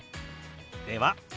では。